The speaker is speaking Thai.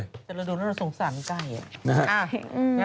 แต่เราดูแล้วเราสงสารไก่